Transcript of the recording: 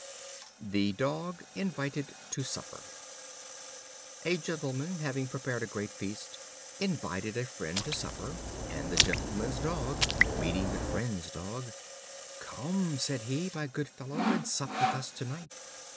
The Dog Invited to Supper. A Gentleman, having prepared a great feast, invited a Friend to supper; and the Gentleman's Dog, meeting the Friend's Dog, "Come," said he, "my good fellow, and sup with us to night."